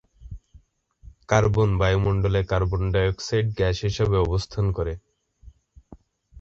Carbon বায়ুমণ্ডলে carbon dioxide gas হিসেবে অবস্থান করে।